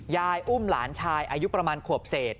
ยายอุ้มหลานชายอายุประมาณขวบเศษ